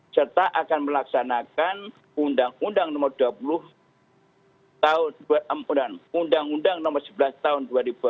serta akan melaksanakan undang undang nomor sebelas tahun dua ribu dua puluh